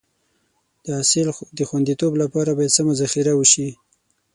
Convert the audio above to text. د حاصل د خونديتوب لپاره باید سمه ذخیره وشي.